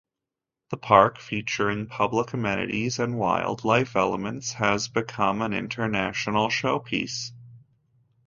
The park, featuring public amenities and wildlife elements, has become an international showpiece.